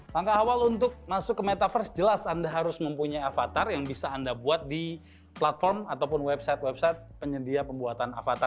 langkah awal untuk masuk ke metaverse jelas anda harus mempunyai avatar yang bisa anda buat di platform ataupun website website penyedia pembuatan avatar